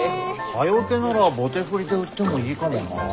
蚊よけなら棒手振で売ってもいいかもな。